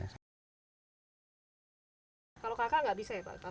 kalau kakak nggak bisa ya pak